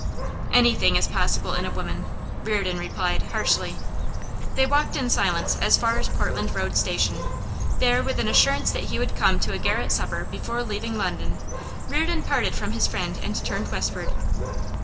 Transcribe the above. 'Anything is possible in a woman,' Reardon replied, harshly. They walked in silence as far as Portland Road Station. There, with an assurance that he would come to a garret supper before leaving London, Reardon parted from his friend and turned westward.